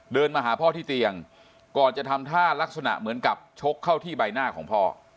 มาหาพ่อที่เตียงก่อนจะทำท่ารักษณะเหมือนกับชกเข้าที่ใบหน้าของพ่อ